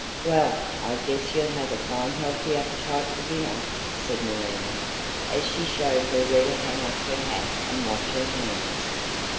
"Well, I guess you'll have a fine healthy appetite for dinner," said Marina, as she showed her where to hang up her hat and wash her hands.